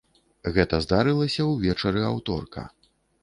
Гэта здарылася ўвечары аўторка.